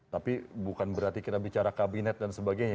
tapi bukan berarti kita bicara kabinet dan sebagainya